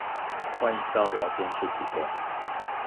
歡迎到聊天室提供